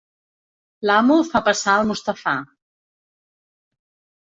L'amo fa passar el Mustafà.